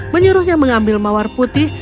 menyuruhnya mengambil mawar putih